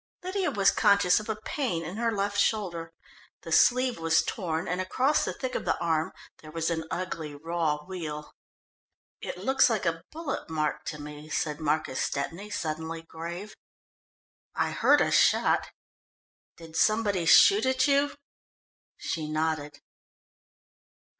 Lydia was conscious of a pain in her left shoulder. The sleeve was torn, and across the thick of the arm there was an ugly raw weal. "It looks like a bullet mark to me," said Marcus Stepney, suddenly grave. "I heard a shot. Did somebody shoot at you?" She nodded.